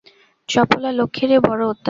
চপলা লক্ষ্মীর এ বড় অত্যাচার!